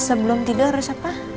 sebelum tidur harus apa